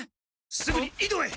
すぐに井戸へ！